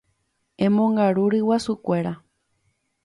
Emongaru ryguasukuéra.